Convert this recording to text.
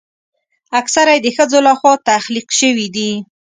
اکثره یې د ښځو لخوا تخلیق شوي دي.